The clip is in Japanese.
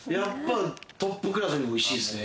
トップクラスにおいしいですね。